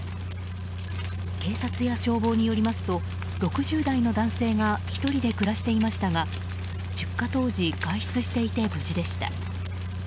警察や消防によりますと６０代の男性が１人で暮らしていましたが出火当時外出していて無事でした。